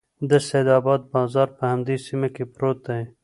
د سیدآباد بازار په همدې سیمه کې پروت دی.